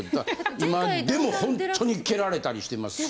今でもほんとに蹴られたりしてますし。